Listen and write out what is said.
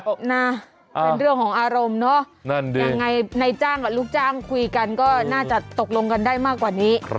เป็นเรื่องของอารมณ์เนอะนั่นดิยังไงในจ้างกับลูกจ้างคุยกันก็น่าจะตกลงกันได้มากกว่านี้